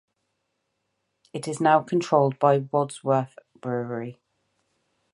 It is now controlled by Wadworth Brewery.